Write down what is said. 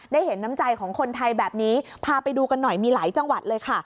เห็นน้ำใจของคนไทยแบบนี้พาไปดูกันหน่อยมีหลายจังหวัดเลยค่ะ